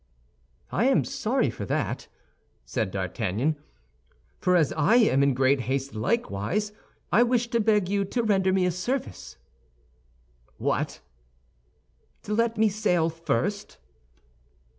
"I am sorry for that," said D'Artagnan; "for as I am in great haste likewise, I wish to beg you to render me a service." "What?" "To let me sail first."